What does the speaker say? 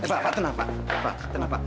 eh pak pak tenang pak nonton